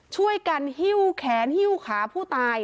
ช่วยกันหิ้วแขนหิ้วขาผู้ตาย